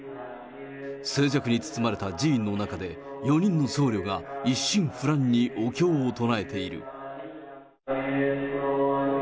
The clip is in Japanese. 静寂に包まれた寺院の中で４人の僧侶が一心不乱にお経を唱えている。